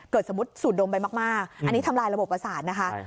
สมมุติสูดดมไปมากอันนี้ทำลายระบบประสาทนะคะ